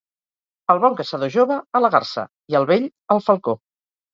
El bon caçador jove, a la garsa, i el vell, al falcó.